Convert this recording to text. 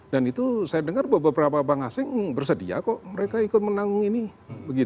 dan itu saya dengar beberapa bank asing bersedia kok mereka ikut menanggung ini